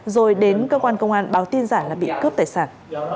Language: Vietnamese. rồi đến cơ quan công an báo tin giả là bị cướp tài sản